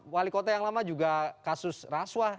wali kota yang lama juga kasus rasuah